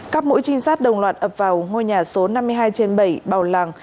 các mũi trinh sát đồng loạt ập vào ngôi nhà số năm mươi hai trên bảy